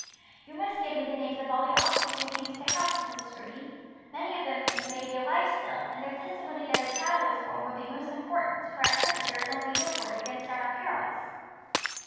"You must give me the names of all the officers who came to the house, Mrs. Rooney. Many of them may be alive still, and their testimony that a child was born would be most important, for at present there is only your word against John O'Carroll's."